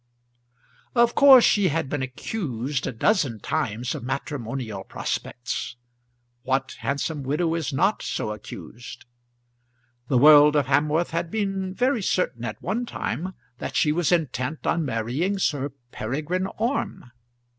Of course she had been accused a dozen times of matrimonial prospects. What handsome widow is not so accused? The world of Hamworth had been very certain at one time that she was intent on marrying Sir Peregrine Orme.